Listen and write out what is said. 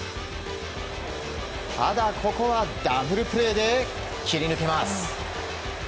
ただ、ここはダブルプレーで切り抜けます。